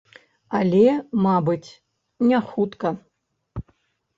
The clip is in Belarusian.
Але, мабыць, не хутка.